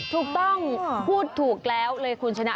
ถูกต้องพูดถูกแล้วเลยคุณชนะ